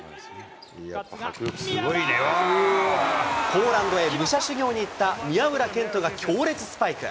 ポーランドへ武者修行に行った宮浦けんとが強烈スパイク。